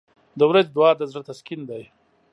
• د ورځې دعا د زړه تسکین دی.